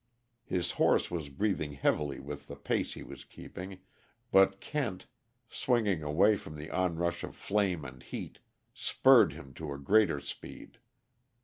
His horse was breathing heavily with the pace he was keeping, but Kent, swinging away from the onrush of flame and heat, spurred him to a greater speed.